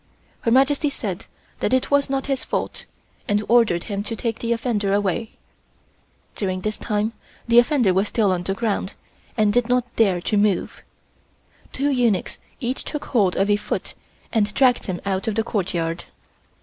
Her Majesty said that it was not his fault and ordered him to take the offender away. During all this time the offender was still on the ground, and did not dare to move. Two eunuchs each took hold of a foot and dragged him out of the courtyard.